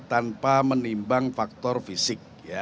tanpa menimbang faktor fisik